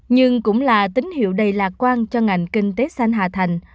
nhưng cũng là tín hiệu đầy lạc quan cho ngành kinh tế xanh hà thành